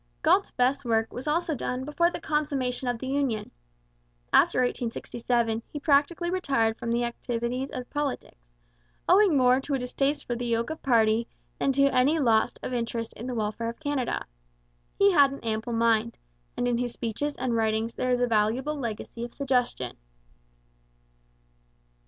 Galt's best work was also done before the consummation of the union. After 1867 he practically retired from the activities of politics, owing more to a distaste for the yoke of party than to any loss of interest in the welfare of Canada. He had an ample mind, and in his speeches and writings there is a valuable legacy of suggestion.